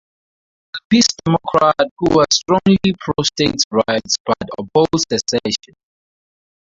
He was a Peace Democrat who was strongly pro-states' rights, but opposed secession.